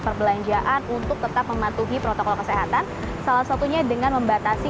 perbelanjaan untuk tetap mematuhi protokol kesehatan salah satunya dengan membatasi